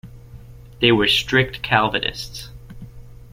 They were strict Calvinists.